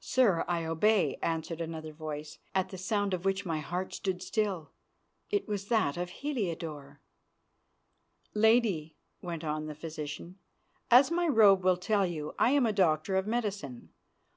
"Sir, I obey," answered another voice, at the sound of which my heart stood still. It was that of Heliodore. "Lady," went on the physician, "as my robe will tell you, I am a doctor of medicine.